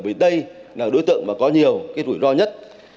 vì đây là đối tượng mà có nhiều cái rủi ro nhất